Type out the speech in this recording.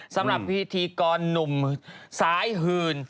สำหรับพิธีกรหนุ่มสายหื่น